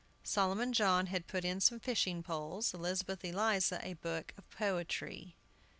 Solomon John had put in some fishing poles; Elizabeth Eliza, a book of poetry.